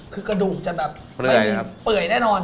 คือกระดูกจะแบบเปื่อยแน่นอน